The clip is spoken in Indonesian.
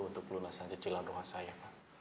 untuk lunasan cecilan roh saya pak